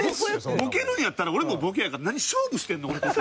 ボケるんやったら俺もボケやから何勝負してんの俺とって。